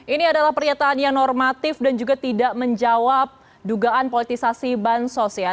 ini adalah pernyataan yang normatif dan juga tidak menjawab dugaan politisasi bansos ya